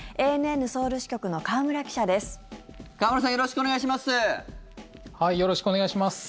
ＡＮＮソウル支局の河村記者です。